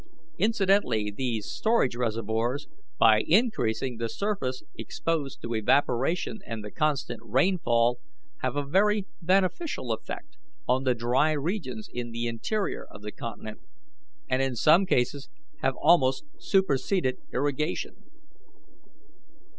Incidentally these storage reservoirs, by increasing the surface exposed to evaporation and the consequent rainfall, have a very beneficial effect on the dry regions in the interior of the continent, and in some cases have almost superseded irrigation.